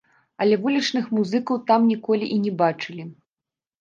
Але вулічных музыкаў там ніколі і не бачылі!